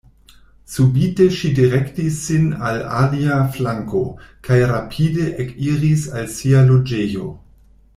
Subite ŝi direktis sin al alia flanko kaj rapide ekiris al sia loĝejo.